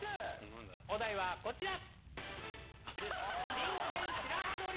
お題はこちら。